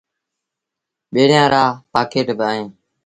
ٻيٚڙيآن رآ پآڪيٽ با اهيݩ۔